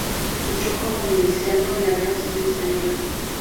Luchó como miliciano en la Guerra Civil Española.